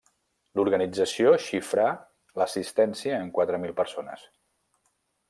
L'organització xifrà l'assistència en quatre mil persones.